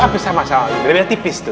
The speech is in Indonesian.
hampir sama sama